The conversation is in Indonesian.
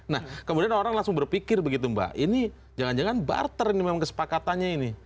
nah kemudian orang langsung berpikir begitu mbak ini jangan jangan barter ini memang kesepakatannya ini